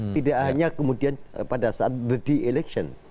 tidak hanya kemudian pada saat the election